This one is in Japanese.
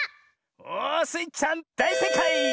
おスイちゃんだいせいかい！